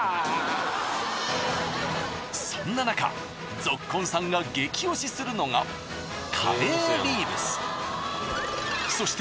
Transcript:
そんななかぞっこんさんが激推しするのがカレーリーブス。